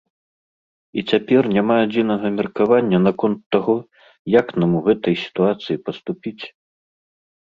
І цяпер няма адзінага меркавання наконт таго, як нам у гэтай сітуацыі паступіць.